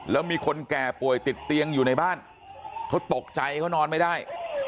แล้วมีคนแก่ป่วยติดเตียงอยู่ในบ้านเขาตกใจเขานอนไม่ได้